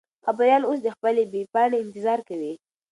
خبریال اوس د خپلې بې پاڼې انتظار کوي.